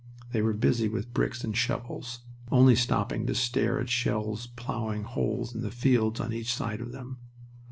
They were busy with bricks and shovels, only stopping to stare at shells plowing holes in the fields on each side of them.